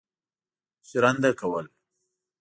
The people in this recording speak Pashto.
ژرنده کول.